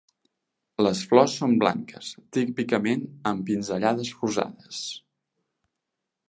Les flors són blanques, típicament amb pinzellades rosades.